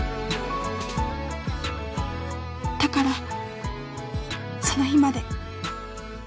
「だからその日まで」